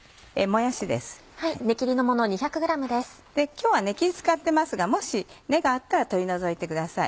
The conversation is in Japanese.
今日は根切り使ってますがもし根があったら取り除いてください。